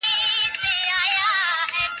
تڼاکي زړه مې د ښکلا په جزيرو کې بند دی